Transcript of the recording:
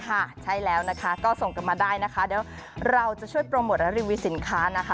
ค่ะใช่แล้วนะคะก็ส่งกันมาได้นะคะเดี๋ยวเราจะช่วยโปรโมทและรีวิวสินค้านะคะ